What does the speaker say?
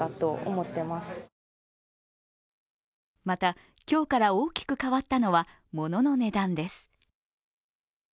また、今日から大きく変わったのは物の値段です。